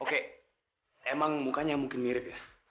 oke emang mukanya mungkin mirip ya